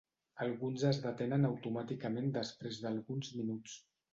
Alguns es detenen automàticament després d'alguns minuts.